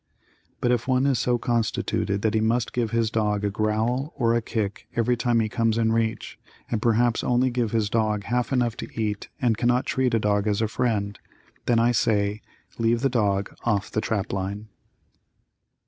But if one is so constituted that he must give his dog a growl or a kick every time he comes in reach, and perhaps only give his dog half enough to eat and cannot treat a dog as a friend, then I say, leave the dog off the trap line.